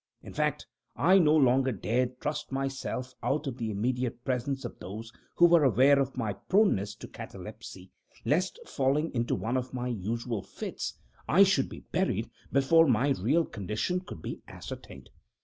In fact, I no longer dared trust myself out of the immediate presence of those who were aware of my proneness to catalepsy, lest, falling into one of my usual fits, I should be buried before my real condition could be ascertained.